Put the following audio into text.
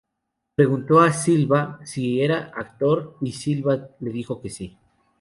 Preguntó a Silva si era actor, y Silva le dijo que sí.